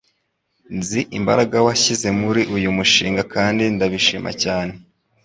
Nzi imbaraga washyize muri uyu mushinga kandi ndabishima cyane.